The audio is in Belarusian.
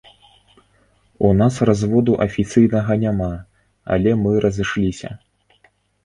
У нас разводу афіцыйнага няма, але мы разышліся.